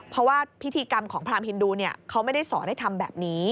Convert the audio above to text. เพราะว่าพิธีกรรมของพรามฮินดูเขาไม่ได้สอนให้ทำแบบนี้